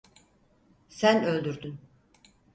Sen öldürdün.